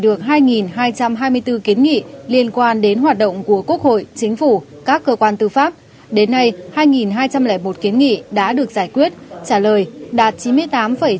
đến nay hai hai trăm linh một kiến nghị đã được giải quyết trả lời đạt chín mươi tám chín mươi bảy